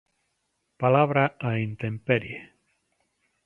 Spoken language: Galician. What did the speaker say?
Palabra á intemperie.